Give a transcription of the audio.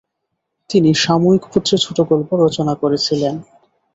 তিনি সাময়িকপত্রে ছোটোগল্প রচনা করেছিলেন।